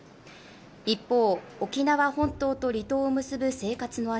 一方沖縄本島と離島を結ぶ生活の足